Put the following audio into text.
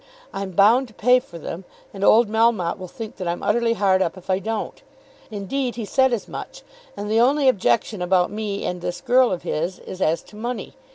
I'm bound to pay for them, and old Melmotte will think that I'm utterly hard up if I don't. Indeed he said as much, and the only objection about me and this girl of his is as to money.